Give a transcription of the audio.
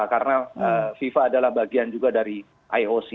karena fifa adalah bagian juga dari ioc